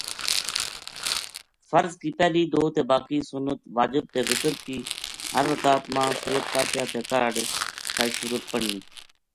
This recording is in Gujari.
فرض کی پہلی دو تے باقی سنت ،واجب تے وتر کی ہر رکات ما سورت فاتحہ تے کاہڈ کائے سورت پڑھنی